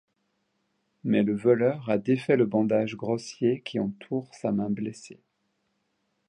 Mais le voleur a défait le bandage grossier qui entoure sa main blessée.